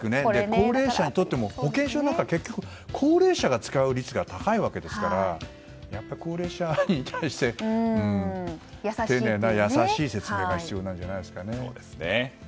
高齢者にとっては保険証のほうが高齢者が使う率が高いわけですから高齢者に対して丁寧な優しい説明が必要なんじゃないですかね。